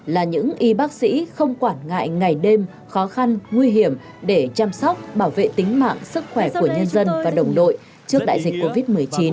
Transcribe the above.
là những y bác sĩ không quản ngại ngày đêm khó khăn nguy hiểm để chăm sóc bảo vệ tính mạng sức khỏe của nhân dân và đồng đội trước đại dịch covid một mươi chín